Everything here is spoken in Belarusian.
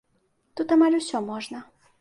Тут амаль усё можна.